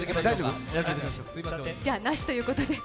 じゃあ、なしということで。